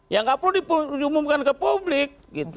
yang gak perlu diumumkan ke publik